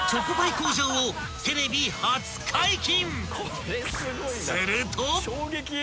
工場をテレビ初解禁］